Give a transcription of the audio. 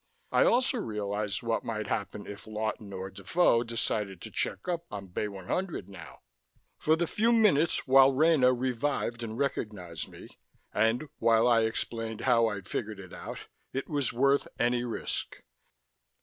I also realized what might happen if Lawton or Defoe decided to check up on Bay 100 now! For the few minutes while Rena revived and recognized me, and while I explained how I'd figured it out, it was worth any risk.